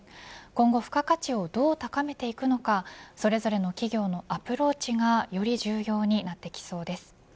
今後、付加価値をどう高めていくのかそれぞれの企業のアプローチがより重要になってきそうです。